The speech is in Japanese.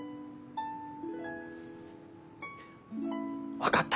分かった。